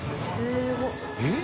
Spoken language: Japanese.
えっ？